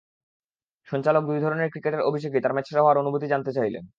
সঞ্চালক দুই ধরনের ক্রিকেটের অভিষেকেই তাঁর ম্যাচসেরা হওয়ার অনুভূতি জানতে চাইলেন।